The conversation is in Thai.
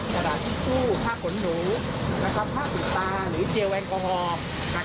ค่าบุตรหรือเชียวแอลกอฮอล์